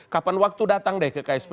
kapan waktu datang deh ke ksp